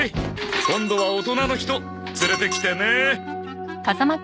今度は大人の人連れてきてね！